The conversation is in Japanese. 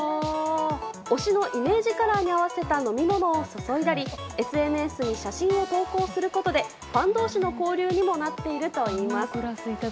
推しのイメージカラーに合わせた飲み物を注いだりＳＮＳに写真を投稿することでファン同士の交流にもなっているといいます。